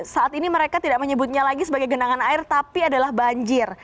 saat ini mereka tidak menyebutnya lagi sebagai genangan air tapi adalah banjir